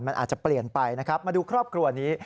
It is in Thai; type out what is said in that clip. มันอาจจะเปลี่ยนไปนะครับมาดูครอบครัวนี้